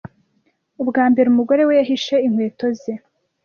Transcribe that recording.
Ubwa mbere umugore we yahishe inkweto ze